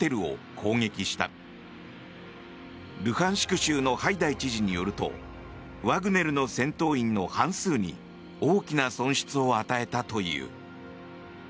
州のハイダイ知事によるとワグネルの戦闘員の半数に大きな損失を与えたという。